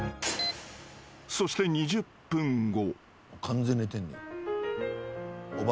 ［そして２０分後］